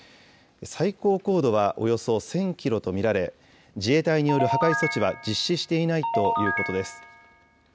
最高高度はおよそ１０００キロと見られ、自衛隊による破壊措置は実施していないということです。